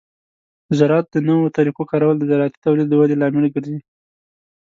د زراعت د نوو طریقو کارول د زراعتي تولید د ودې لامل ګرځي.